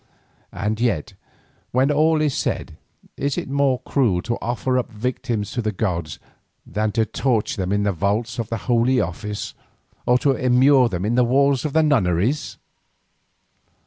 And yet, when all is said, is it more cruel to offer up victims to the gods than to torture them in the vaults of the Holy Office or to immure them in the walls of nunneries?